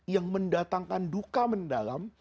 yang mendatangkan duka mendalam